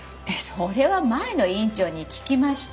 それは前の院長に聞きました。